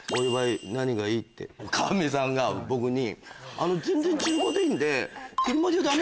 カミさんが僕に。